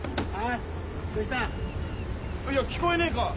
いや聞こえねえか？